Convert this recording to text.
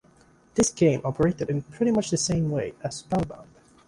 This game operated in pretty much the same way as Spellbound.